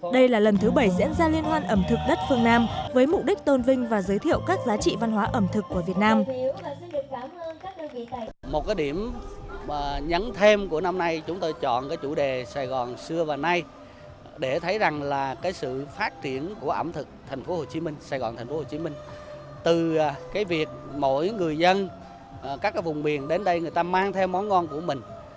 đây là lần thứ bảy diễn ra liên hoan ẩm thực đất phương nam với mục đích tôn vinh và giới thiệu các giá trị văn hóa ẩm thực của việt nam